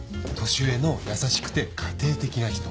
年上の優しくて家庭的な人。